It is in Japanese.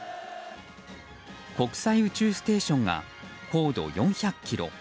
国際宇宙ステーションが高度４００ｋｍ。